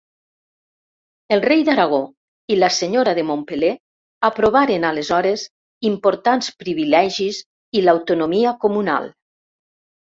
El rei d'Aragó i la senyora de Montpeller aprovaren aleshores importants privilegis i l'autonomia comunal.